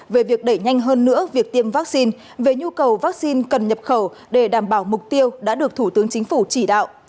về việc đẩy nhanh hơn nữa việc tiêm vaccine về nhu cầu vaccine cần nhập khẩu để đảm bảo mục tiêu đã được thủ tướng chính phủ chỉ đạo